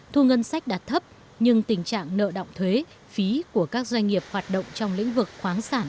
thu ngân sách đạt thấp nhưng tình trạng nợ động thuế phí của các doanh nghiệp hoạt động trong lĩnh vực khoáng sản